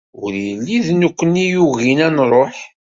Ur yelli d nukkni i yugin ad nṛuḥ.